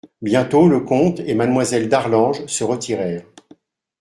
Bientôt le comte et Mademoiselle d'Arlange se retirèrent.